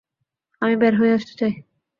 আমি বের হয়ে আসতে চাই।